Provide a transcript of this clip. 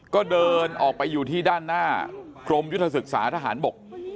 ก็เดินออกไปอยู่ที่ด้านหน้ากรมยุทธศึกษาทหารบก